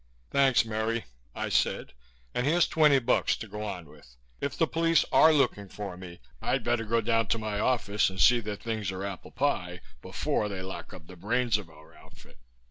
"Thanks, Merry," I said, "and here's twenty bucks to go on with. If the police are looking for me, I'd better go down to my office and see that things are apple pie before they lock up the brains of our outfit.